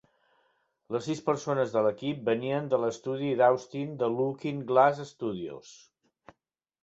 Les sis persones de l'equip venien de l'estudi d'Austin de Looking Glass Studios.